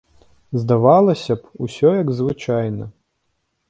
Здавалася б, усё як звычайна.